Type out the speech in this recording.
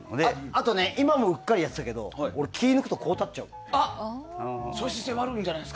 あと今もうっかりやってたけど俺、気を抜くとこう立っちゃう。